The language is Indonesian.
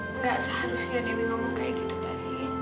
enggak seharusnya dewi ngomong kayak gitu tadi